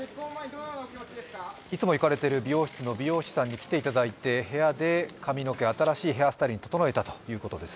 いつも行かれている美容室の美容師さんに来ていただいて部屋で髪の毛、新しいヘアスタイルに整えたということです。